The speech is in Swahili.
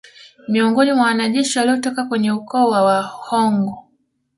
Miongoni mwa wanajeshi walitoka kwenye ukoo wa Wanghoo